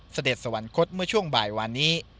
เสด็จสวรรคตเมื่อช่วงบ่ายวานนี้